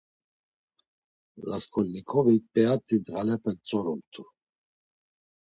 Rasǩolnikovik p̌eat̆i ndğalepe ntzorumt̆u.